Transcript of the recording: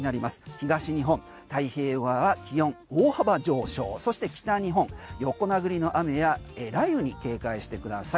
東日本大平は気温大幅上昇そして北日本、横殴りの雨や雷雨に警戒してください。